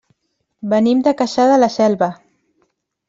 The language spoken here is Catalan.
Venim de Cassà de la Selva.